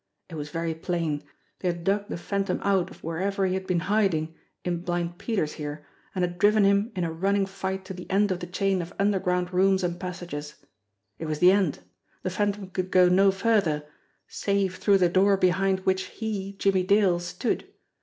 It was very plain! They had dug the Phantom out of wherever he had been in hiding in Blind Peter's here, and had driven him in a running fight to the end of the chain of underground rooms and passages. It was the end ! The Phantom could go no further save through the door behind which he, Jimmie Dale, stood.